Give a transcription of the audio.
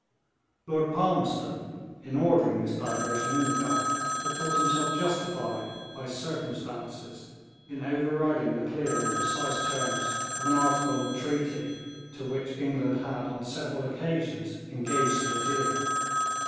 Lord Palmerston, in ordering this diversion in the Gulf, had thought himself justified by circumstances in overriding the clear and precise terms of an article in a treaty to which England had on several occasions engaged to adhere.